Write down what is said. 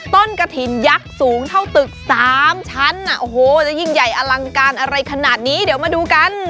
กระถิ่นยักษ์สูงเท่าตึก๓ชั้นโอ้โหจะยิ่งใหญ่อลังการอะไรขนาดนี้เดี๋ยวมาดูกัน